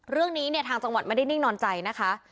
เรื่องนี้เนี่ยทางจังหวัดไม่ได้นิ่งนอนใจนะคะ